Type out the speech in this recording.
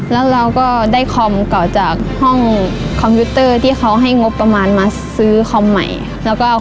ทำไมจะติดตับเครื่องเสียงไม่ติดบ้าง